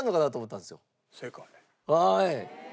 はい！